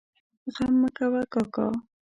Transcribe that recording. غم مه کوه کاکا!